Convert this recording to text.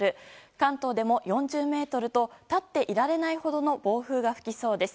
関東でも４０メートルと立っていられないほどの暴風が吹きそうです。